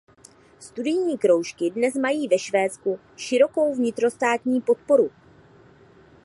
Studijní kroužky dnes mají ve Švédsku širokou vnitrostátní podporu.